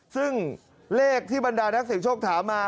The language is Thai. ซึ่งเลขที่บรรดานักเสียงโชคถามมา